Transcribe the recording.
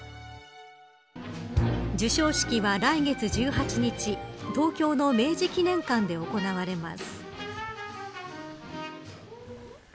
受賞式は来月１８日東京の明治記念館で行われます。